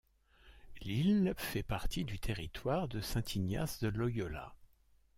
L'île fait partie du territoire de Saint-Ignace-de-Loyola.